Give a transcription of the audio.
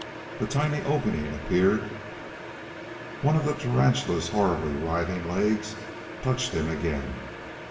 A tiny opening appeared. One of the tarantula's horribly writhing legs touched him again.